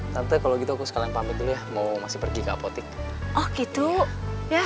tante kalau gitu aku sekalian pamit dulu ya mau masih pergi ke apotik oh gitu ya